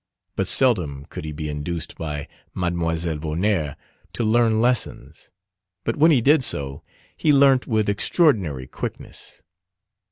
But seldom could he be induced by Mlle Vonnaert to learn lessons; but when he did so, he learnt with extraordinary quickness.